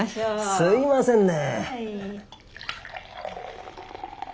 すいませんね。